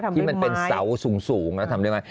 ที่มันเป็นเสาสูงแล้วทำได้ไหม